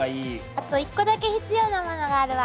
あと一個だけ必要なものがあるわ！